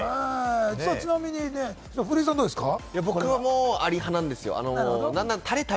ちなみに古井さん、どうですか？